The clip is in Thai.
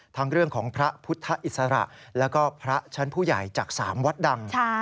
ทั้งเรื่องของพระพุทธอิสระแล้วก็พระชั้นผู้ใหญ่จาก๓วัดดัง